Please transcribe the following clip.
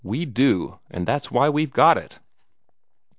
We do, and that's why we've got it."